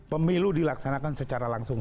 pemilu dilaksanakan secara langsung